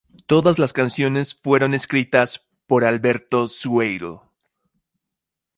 Todas las canciones fueron escritas por Alberto Sueiro.